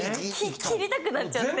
切りたくなっちゃって。